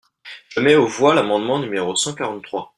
Je mets aux voix l’amendement numéro cent quarante-trois.